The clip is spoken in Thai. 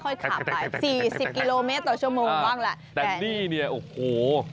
ค่อยขับไป๔๐กิโลเมตรต่อชั่วโมงบ้างแหละแต่นี่เนี่ยโอ้โฮ